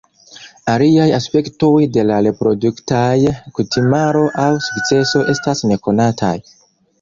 Aliaj aspektoj de la reproduktaj kutimaro aŭ sukceso estas nekonataj.